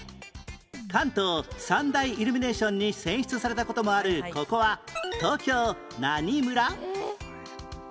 関東三大イルミネーションに選出された事もあるここは東京何村？